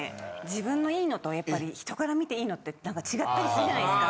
自分の良いのとやっぱり人から見て良いのって違ったりするじゃないですか。